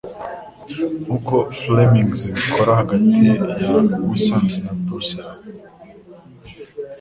Nkuko Flemings ibikora hagati ya Wissant na Bruges